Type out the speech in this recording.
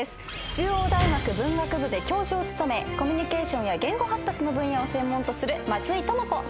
中央大学文学部で教授を務めコミュニケーションや言語発達の分野を専門とする松井智子先生です。